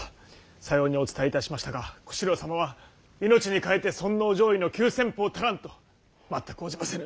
さようにお伝えいたしましたが小四郎様は「命に代えて尊王攘夷の急先鋒たらん」と全く応じませぬ。